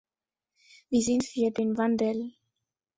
Wir sind für den Wandel.